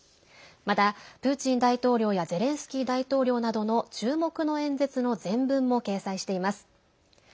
また、プーチン大統領やゼレンスキー大統領などの注目の演説の全文も掲載しています。